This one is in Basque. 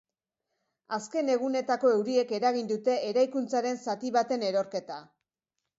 Azken egunetako euriek eragin dute eraikuntzaren zati baten erorketa.